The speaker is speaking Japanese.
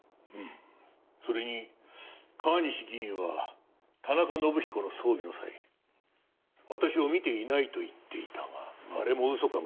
それに川西議員は田中伸彦の葬儀の際私を見ていないと言っていたがあれも嘘かもしれない。